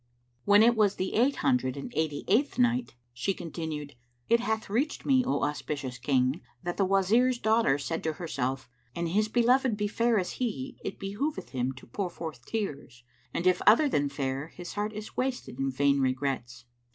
When it was the Eight Hundred and Eighty eighth Night, She continued, It hath reached me, O auspicious King, that the Wazir's daughter said to herself, "An his beloved be fair as he, it behoveth him to pour forth tears; and, if other than fair, his heart is wasted in vain regrets!"